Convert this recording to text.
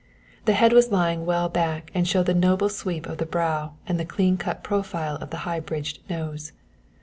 The head was lying well back and showed the noble sweep of the brow and the clean cut profile of the high bridged nose.